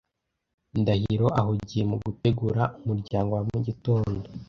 Ndahiro ahugiye mu gutegura umuryango wa mugitondo.